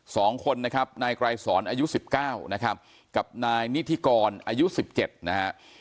สองคนนะครับนายไกรสอนอายุสิบเก้านะครับกับนายนิธิกรอายุสิบเจ็ดนะฮะ